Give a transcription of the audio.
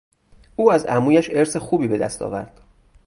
او از عمویش ارث خوبی بهدست آورد.